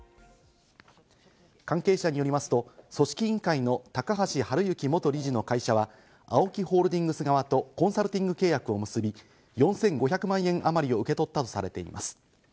関係者によりますと組織委員会の高橋治之元理事の会社は、ＡＯＫＩホールディングス側とコンサルティング契約を結び、４５００万円あまりを受け取ったとされています。